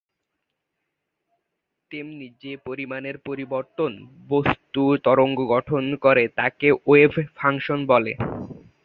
তেমনি, যে পরিমাপের পরিবর্তন বস্তু তরঙ্গ গঠন করে তাকে ওয়েভ ফাংশন বলে।